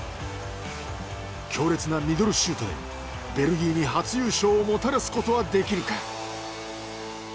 強烈なミドルシュートでベルギーに初優勝をもたらすことはできるか。